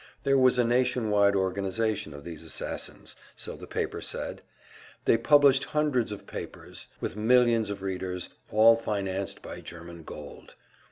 There was a nation wide organization of these assassins, so the paper said; they published hundreds of papers, with millions of readers, all financed by German gold.